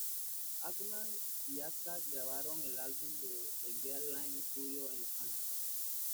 Altman y Assad grabaron el álbum en Galt Line Studio en Los Ángeles.